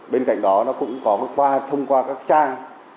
bên cạnh đó nó cũng có qua thông qua các trang